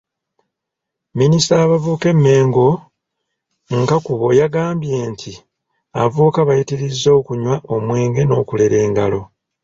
Minisita w’abavubuka e Mmengo Nkakubo, yagambye nti, "abavubuka bayitirizza okunywa omwenge n’okulera engalo".